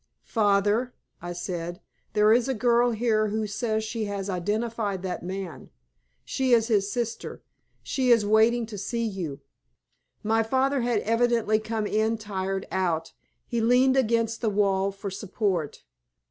"Father," I said, "there is a girl here who says she has identified that man. She is his sister. She is waiting to see you." My father had evidently come in tired out; he leaned against the wall for support.